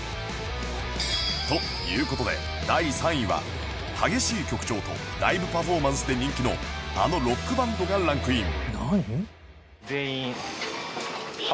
という事で第３位は激しい曲調とライブパフォーマンスで人気のあのロックバンドがランクイン